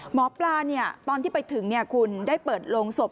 หมอปลาตอนที่ไปถึงคุณได้เปิดโรงศพ